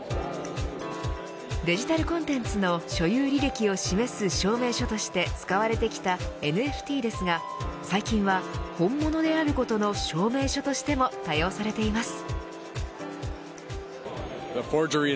デジタルコンテンツの所有履歴を示す証明書として使われてきたＮＦＴですが最近は本物であることの証明書としても多様されています。